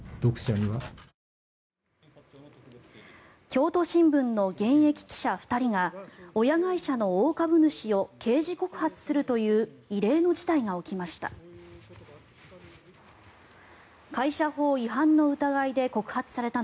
京都新聞の現役記者２人が親会社の大株主を刑事告発するという異例の事態が起きました。